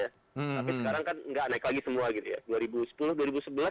tapi sekarang kan nggak naik lagi semua gitu ya